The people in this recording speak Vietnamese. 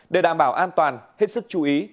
để đảm bảo an toàn hết sức chú ý